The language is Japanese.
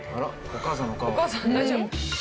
お母さん大丈夫？